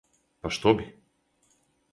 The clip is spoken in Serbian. Па што би?